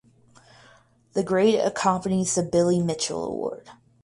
The grade accompanies the Billy Mitchell Award.